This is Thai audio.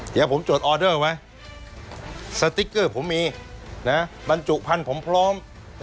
เดี๋ยวผมจดออเดอร์ไว้สติ๊กเกอร์ผมมีนะบรรจุพันธุ์ผมพร้อม